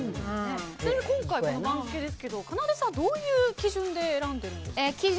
今回、この番付ですけどかなでさんはどういう基準で選んでるんですか？